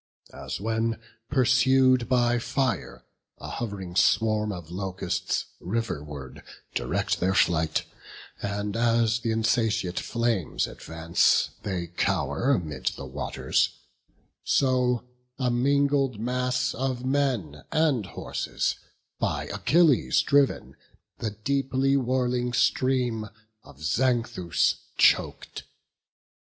As when, pursued by fire, a hov'ring swarm Of locusts riverward direct their flight, And, as th' insatiate flames advance, they cow'r Amid the waters; so a mingled mass Of men and horses, by Achilles driv'n, The deeply whirling stream, of Xanthus chok'd.